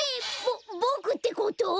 ボボクってこと？